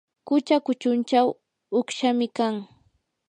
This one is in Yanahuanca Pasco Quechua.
qucha kuchunchaw uqshami kan.